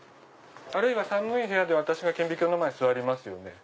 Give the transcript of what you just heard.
あるいは寒い部屋で私が顕微鏡の前座りますよね。